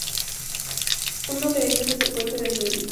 Uno de ellos es el puente del Ayuntamiento.